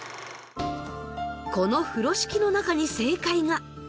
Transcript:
この風呂敷の中に正解が。